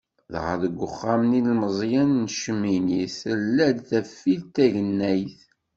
Dɣa deg Uxxam n yilmeẓyen n Cemmini, tella-d tafilt tagnennayt.